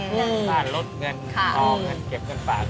บ้านรถเงินน้องเก็บกันฝาก